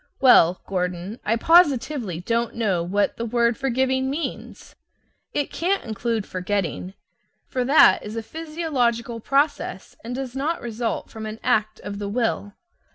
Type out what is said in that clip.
Well, Gordon, I positively don't know what the word "forgiving" means. It can't include "forgetting," for that is a physiological process, and does not result from an act of the will.